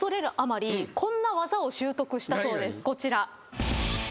こちら。